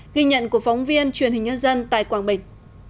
ghi nhận của phóng viên truyền hình nhân dân tại quảng bình